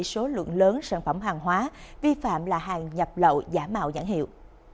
số lượng lớn sản phẩm hàng hóa vi phạm là hàng nhập lậu giả mạo nhãn hiệu